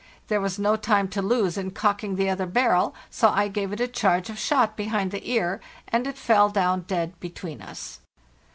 There was no time to lose in cocking the other barrel, so I gave it a charge of shot behind the ear, and it fell down dead between us.